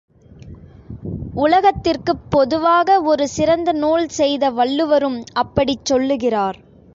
உலகத்திற்குப் பொதுவாக ஒரு சிறந்த நூல் செய்த வள்ளுவரும் அப்படிச் சொல்லுகிறார்.